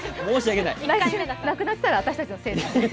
なくなったら私たちのせいです。